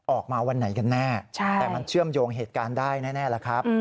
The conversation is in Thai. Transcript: วันไหนกันแน่แต่มันเชื่อมโยงเหตุการณ์ได้แน่แล้วครับ